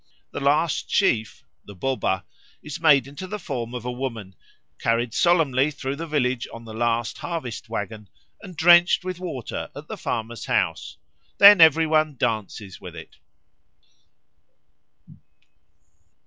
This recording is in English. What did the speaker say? The last sheaf the Boba is made into the form of a woman, carried solemnly through the village on the last harvest waggon, and drenched with water at the farmer's house; then every one dances with it.